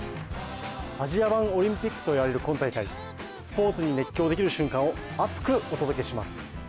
アジア版オリンピックといわれる今大会スポーツに熱狂できる瞬間を熱くお届けします